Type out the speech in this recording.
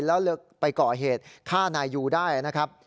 แล้วไปก่อเหตุฆ่านายยูได้นะครับ